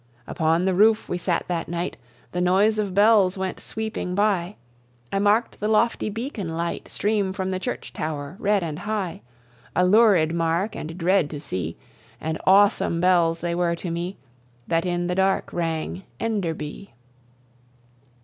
Upon the roofe we sate that night, The noise of bells went sweeping by; I mark'd the lofty beacon light Stream from the church tower, red and high A lurid mark and dread to see; And awsome bells they were to mee, That in the dark rang "Enderby."